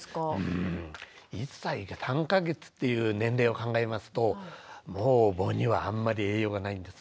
うん１歳３か月という年齢を考えますともう母乳はあんまり栄養がないんですね。